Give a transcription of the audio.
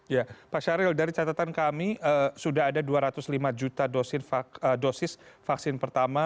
ya pak syahril dari catatan kami sudah ada dua ratus lima juta dosis vaksin pertama